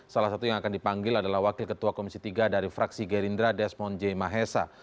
salah satu yang akan dipanggil adalah wakil ketua komisi tiga dari fraksi gerindra desmond j mahesa